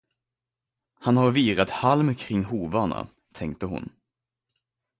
Han har virat halm kring hovarna, tänkte hon.